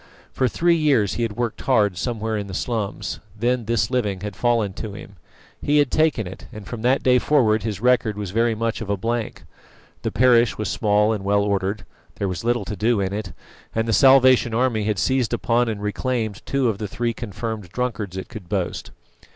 For three years he had worked hard somewhere in the slums; then this living had fallen to him. He had taken it, and from that day forward his record was very much of a blank. The parish was small and well ordered; there was little to do in it, and the Salvation Army had seized upon and reclaimed two of the three confirmed drunkards it could boast.